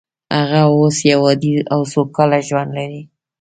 هغه اوس یو عادي او سوکاله ژوند لري